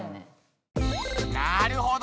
なるほど。